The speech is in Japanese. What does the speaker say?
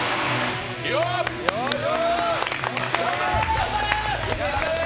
頑張れー！